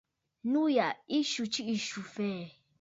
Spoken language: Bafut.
Nû yà ɨ swu jiʼì swù fɛɛ̀.